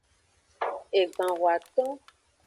Egban hoaton.